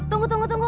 tunggu tunggu tunggu